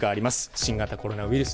新型コロナウイルス。